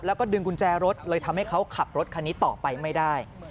แล้วก็ดึงกุญแจรถเลยทำให้เขาขับรถคันนี้ต่อไปไม่ได้